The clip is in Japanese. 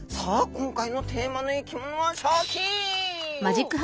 今回のテーマの生き物はシャキーン！